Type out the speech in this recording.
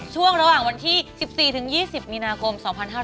ช่วงระหว่างวันที่๑๔๒๐มีนาคม๒๕๕๙